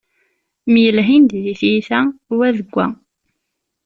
Myelhin-d di tyita wa deg wa.